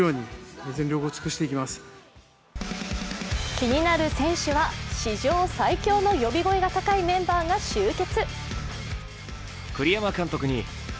気になる選手は史上最強の呼び声が高いメンバーが集結。